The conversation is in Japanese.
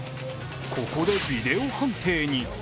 ここでビデオ判定に。